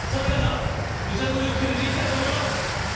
皆さん、ムチャぶりを決めていきたいと思います。